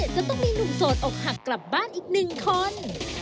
จะต้องมีหนุ่มโสดอกหักกลับบ้านอีกหนึ่งคน